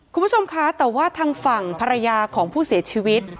คุณผู้ชมคะแต่ว่าทางฝั่งภรรยาของผู้เสียชีวิต